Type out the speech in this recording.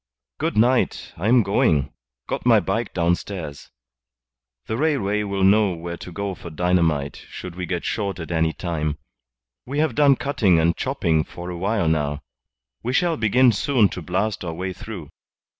"Good night, I am going. Got my bike downstairs. The railway will know where to go for dynamite should we get short at any time. We have done cutting and chopping for a while now. We shall begin soon to blast our way through."